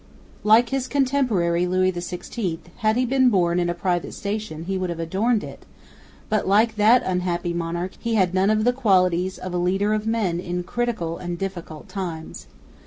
Like his contemporary Louis XVI, had he been born in a private station, he would have adorned it, but like that unhappy monarch he had none of the qualities of a leader of men in critical and difficult times.